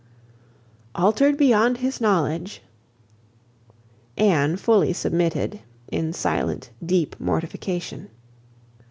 "Altered beyond his knowledge." Anne fully submitted, in silent, deep mortification.